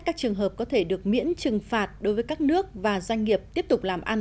các trường hợp có thể được miễn trừng phạt đối với các nước và doanh nghiệp tiếp tục làm ăn